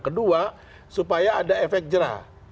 kedua supaya ada efek jerah